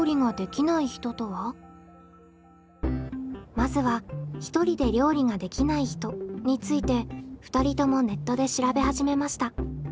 まずはひとりで料理ができない人について２人ともネットで調べ始めました。